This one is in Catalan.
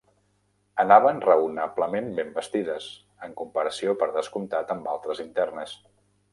Anaven raonablement ben vestides; en comparació, per descomptat, amb altres internes.